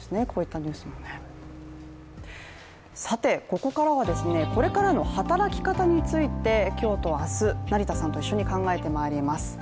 ここからは、これからの働き方について今日と明日、成田さんと一緒に考えてまいります。